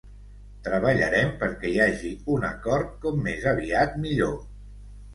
Treballarem perquè hi hagi un acord com més aviat millor.